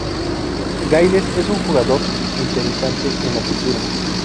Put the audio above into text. Gaines es un jugador interesante en la pintura.